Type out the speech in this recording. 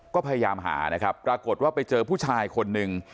ก็พยายามหานะครับปรากฏว่าไปเจอผู้ชายคนหนึ่ง